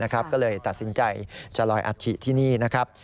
ก็เลยตัดสินใจจะลอยอัฐิที่นี่นะครับ